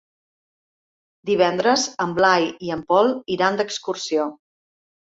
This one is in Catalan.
Divendres en Blai i en Pol iran d'excursió.